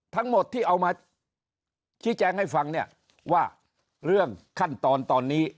ทั้งหมดที่เอามาชี้แจงให้ฟังเนี่ยว่าเรื่องขั้นตอนตอนนี้